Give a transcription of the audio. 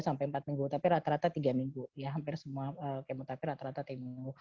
tiga sampai empat minggu tapi rata rata tiga minggu ya hampir semua kemoterapi